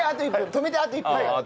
止めてあと１分。